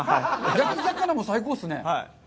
焼き魚も最高ですね。